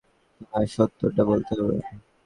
তোমায় সত্যটা বলতে হবে!